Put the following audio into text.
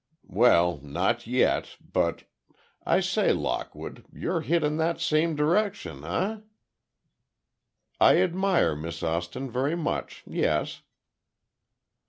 "Well—not yet; but—I say, Lockwood, you're hit in that same direction, eh?" "I admire Miss Austin very much, yes."